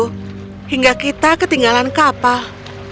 bahkan kita tersisa sehingga terbenam benam nelayan kapal